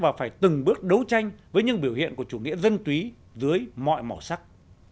và phải từng bước đấu tranh với những biểu hiện của chủ nghĩa dân túy dưới mọi màu sắc